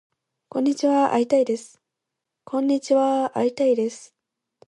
こんにちはーー会いたいです